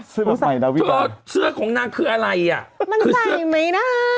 เสื้อแบบใหม่ดาวิบัยเสื้อของนักคืออะไรอ่ะมันใส่ไม่ได้